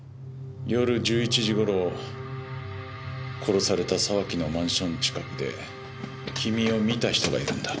夜１１時頃殺された沢木のマンション近くで君を見た人がいるんだ。